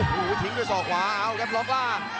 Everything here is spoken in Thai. โอ้โหทิ้งด้วยศอกขวาเอาครับล็อกล่าง